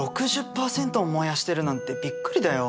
６０％も燃やしてるなんてびっくりだよ。